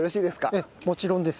ええもちろんです。